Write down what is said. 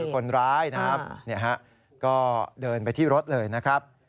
คนร้ายนะครับก็เดินไปที่รถเลยนะครับ